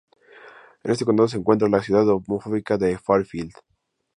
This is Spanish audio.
En este condado se encuentra la ciudad homónima de Fairfield.